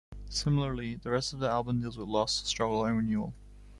Similarly, the rest of the album deals with loss, struggle, and renewal.